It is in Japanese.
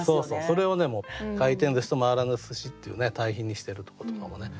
それを「回転寿司」と「回らぬ寿司」っていう対比にしてるとことかもね。